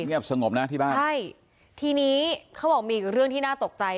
เงียบสงบนะที่บ้านใช่ทีนี้เขาบอกมีอีกเรื่องที่น่าตกใจ